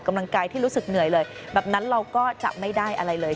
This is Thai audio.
กำลังใจที่รู้สึกเหนื่อยเลยแบบนั้นเราก็จะไม่ได้อะไรเลย